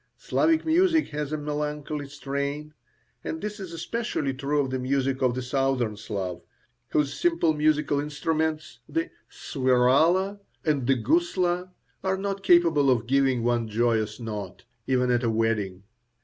Slavic music has a melancholy strain, and this is especially true of the music of the Southern Slav, whose simple musical instruments, the "swirala" and the "gusla," are not capable of giving one joyous note, even at a wedding.